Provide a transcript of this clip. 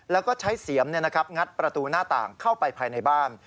แล้วก็ใช้เสียมงัดประตูหน้าต่างเข้าไปภายในบ้าน